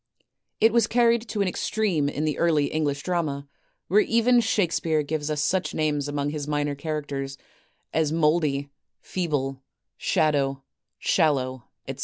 It was carried to an extreme in the early English drama, whei:e even Shakespeare gives us such names among his minor characters as Mouldy, Feeble, Shadow, Shallow, etc.